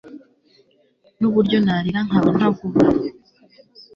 nuburyo narira nkaba ntavuga